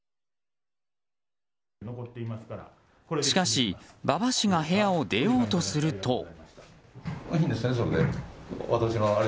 しかし、馬場氏が部屋を出ようとすると。